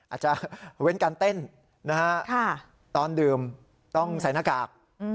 อาจจะเว้นการเต้นนะฮะตอนดื่มต้องใส่หน้ากาก